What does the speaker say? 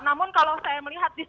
namun kalau saya melihat di sini